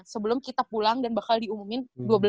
sebelum kita pulang dan bakal diumumin